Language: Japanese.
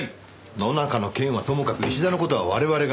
野中の件はともかく石田の事は我々が。